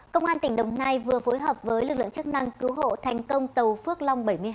công an tỉnh đồng nai vừa phối hợp với lực lượng chức năng cứu hộ thành công tàu phước long bảy mươi hai